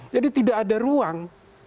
jadi tidak ada ruang